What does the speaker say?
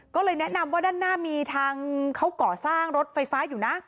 ก็เลยแนะนำว่าด้านหน้ามีทางเขาก่อสร้างรถไฟฟ้าอยู่นะ